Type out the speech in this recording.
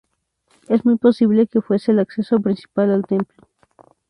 Es muy posible que fuese el acceso principal al templo.